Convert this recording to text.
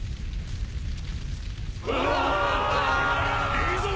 いいぞ！